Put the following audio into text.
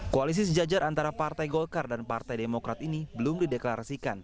koalisi sejajar antara partai golkar dan partai demokrat ini belum dideklarasikan